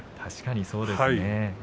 確かにそうですね。